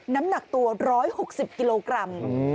น้ำหนักตัว๑๖๐กิโลกรัม